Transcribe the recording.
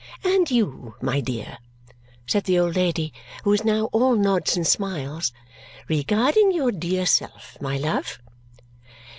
And you, my dear," said the old lady, who was now all nods and smiles, "regarding your dear self, my love?"